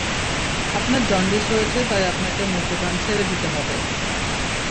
আপনার জন্ডিস হয়েছে তাই আপনাকে মদ্যপান ছেড়ে দিতে হবে।